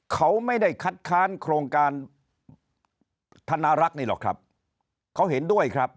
เขาไม่ได้คัดค้านโครงการธนารักษ์นี่หรอกครับเขาเห็นด้วยครับ